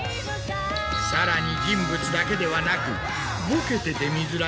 さらに人物だけではなく。